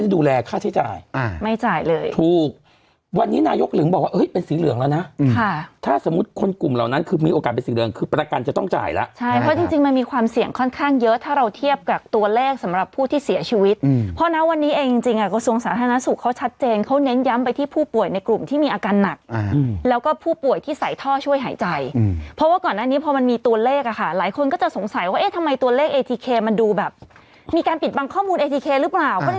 ดูแลค่าใช้จ่ายไม่จ่ายเลยถูกวันนี้นายกลึงบอกว่าเอ้ยเป็นสีเหลืองแล้วนะค่ะถ้าสมมุติคนกลุ่มเหล่านั้นคือมีโอกาสเป็นสีเหลืองคือประกันจะต้องจ่ายแล้วใช่เพราะจริงจริงมันมีความเสี่ยงค่อนข้างเยอะถ้าเราเทียบกับตัวแรกสำหรับผู้ที่เสียชีวิตอืมเพราะนะวันนี้เองจริงจริงอ่ะกระทรวงสาธารณ